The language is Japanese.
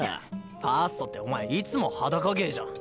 ファーストってお前いつも裸芸じゃん。